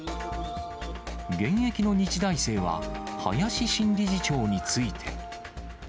現役の日大生は林新理事長について。